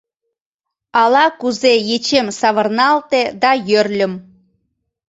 Ала-кузе ечем савырналте да йӧрльым.